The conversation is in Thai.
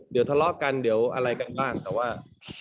เดี๋ยวทะเลาะกันเดี๋ยวอะไรกันบ้างแต่ว่า